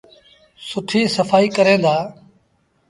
سُٺيٚ سڦآئيٚ ڪرين دآ۔